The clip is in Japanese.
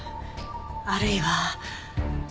あるいは。